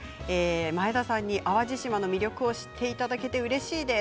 前田さんに淡路島の魅力を知っていただけてうれしいです。